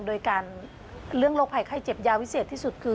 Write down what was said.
โดยการเรื่องโรคภัยไข้เจ็บยาวิเศษที่สุดคือ